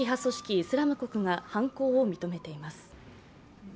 イスラム国が犯行を認めています。